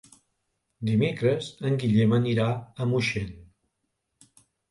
Dimecres en Guillem anirà a Moixent.